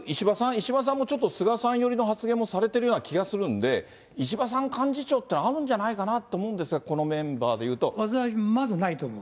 石破さんもちょっと菅さん寄りの発言もされてるような気もするんで、石破さん、幹事長っていうのあるんじゃないかなと思うんですが、このメンバまずないと思う。